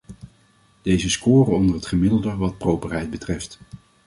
Deze scoren onder het gemiddelde wat properheid betreft.